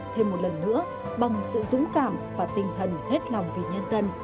thêm một lần nữa bằng sự dũng cảm và tinh thần hết lòng vì nhân dân